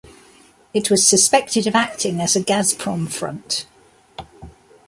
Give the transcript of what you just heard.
It was suspected of acting as a Gazprom front.